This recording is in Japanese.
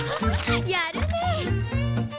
やるね！